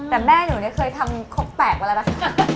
แต่แม่หนูเคยทำคกแปะไว้แล้วนะคะ